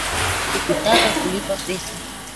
Sikutaka kulipa pesa